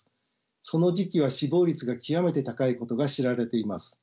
その時期は死亡率が極めて高いことが知られています。